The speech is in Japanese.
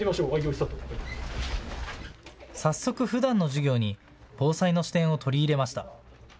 早速、ふだんの授業に防災の視点を取り入れました。